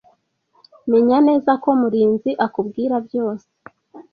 Menya neza ko Murinzi akubwira byose.